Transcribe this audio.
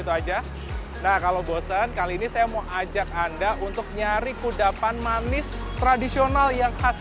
itu aja nah kalau bosen kali ini saya mau ajak anda untuk nyari kudapan manis tradisional yang khas